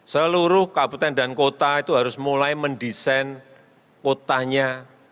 seluruh kabupaten dan kota itu harus mulai mendesain kotanya